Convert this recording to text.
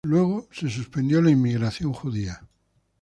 Luego se suspendió la inmigración judía.